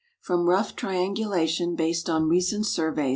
From rough triangulation based on recent surveys, MOUNT ST.